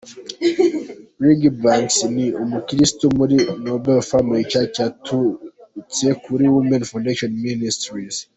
Regy Banks ni umukristu muri Noble Family Church yaturutse kuri Women Foundation Ministries.